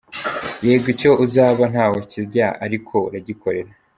Yego icyo uzaba ntaho kizajya, ariko uragikorera!.